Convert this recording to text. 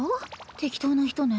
適当な人ね。